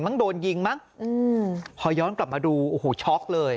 โดนยิงมั้งอืมพอย้อนกลับมาดูโอ้โหช็อกเลย